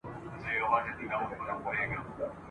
نور یې هېر سو چل د ځان د مړولو ..